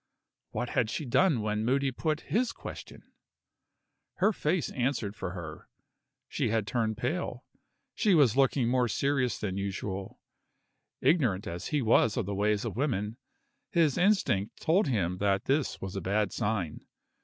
What had she done when Moody put his question? Her face answered for her she had turned pale; she was looking more serious than usual. Ignorant as he was of the ways of women, his instinct told him that this was a bad sign.